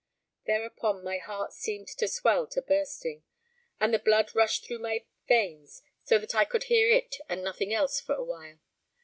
Thereupon my heart seemed to swell to bursting, and the blood rushed through my veins so that I could hear it and nothing else for a while.